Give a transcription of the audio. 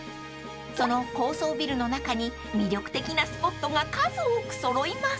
［その高層ビルの中に魅力的なスポットが数多く揃います］